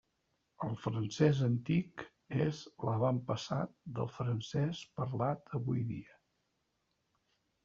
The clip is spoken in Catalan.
El francès antic és l'avantpassat del francès parlat avui dia.